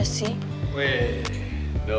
terus nanti ditempahin tuh rumus